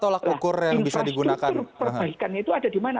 infrastruktur perbaikannya itu ada di mana